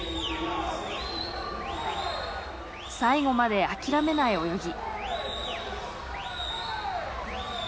最後まで諦めない泳ぎ。